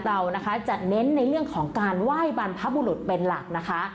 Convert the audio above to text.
เรานะคะจะเน้นในเรื่องของการไหว้บรรพบุรุษเป็นหลักนะคะ